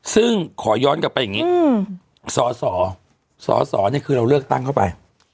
ซึ่งขอย้อนกลับไปอย่างนี้สสเนี่ยคือเราเลือกตั้งเข้าไป